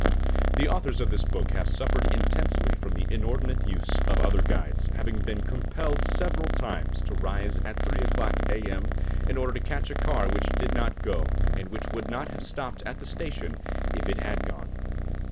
The authors of this book have suffered intensely from the inordinate use of other guides, having been compelled several times to rise at 3 o'clock a. m., in order to catch a car which did not go and which would not have stopped at the station if it had gone.